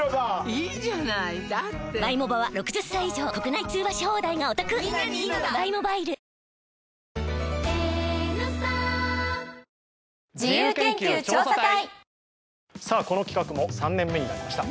いいじゃないだってこの企画も３年目になりました。